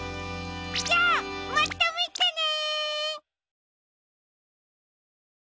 じゃあまたみてね！